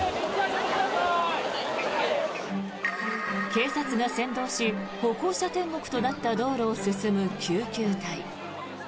警察が先導し歩行者天国となった道路を進む救急隊。